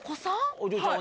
お嬢ちゃん